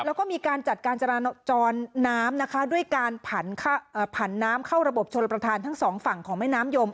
แล้วก็มีการจัดการจราจรน้ำนะคะด้วยการผันน้ำเข้าระบบชนประธานทั้งสองฝั่งของแม่น้ำยม